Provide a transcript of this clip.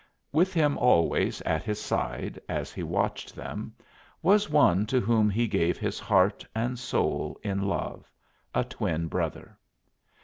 With him always, at his side as he watched them, was one to whom he gave his heart and soul in love a twin brother.